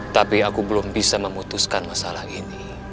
tapi aku belum bisa memutuskan masalah ini